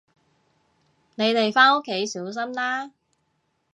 你哋返屋企小心啦